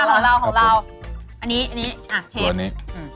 ของอันนี้